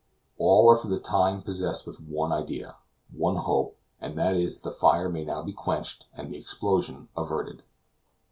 All are for the time possessed with one idea, one hope; and that is, that the fire may now be quenched and the explosion averted.